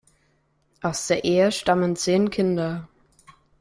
Aus der Ehe stammen zehn Kinder.